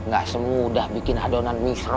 gak semudah bikin adonan misro